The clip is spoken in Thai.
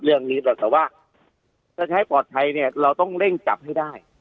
เรื่องนี้แต่ว่าถ้าใช้ปลอดภัยเนี่ยเราต้องเร่งจับให้ได้